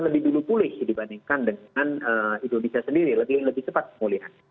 jadi itu pulih dibandingkan dengan indonesia sendiri lebih cepat pengulian